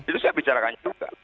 itu saya bicarakan juga